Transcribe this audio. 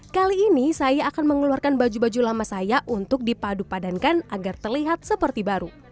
kali ini saya akan mengeluarkan baju baju lama saya untuk dipadu padankan agar terlihat seperti baru